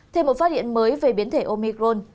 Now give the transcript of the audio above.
thêm một phát hiện mới về biến thể omicron